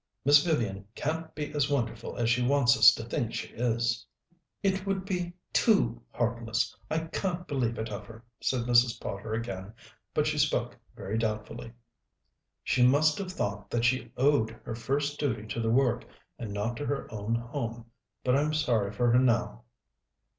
Miss Vivian can't be as wonderful as she wants us to think she is." "It would be too heartless. I can't believe it of her," said Mrs. Potter again, but she spoke very doubtfully. "She must have thought that she owed her first duty to the work, and not to her own home. But I'm sorry for her now."